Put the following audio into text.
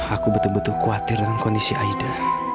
aku betul betul khawatir dengan kondisi aida